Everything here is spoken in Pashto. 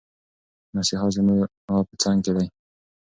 مسیحا زما په څنګ کې دی.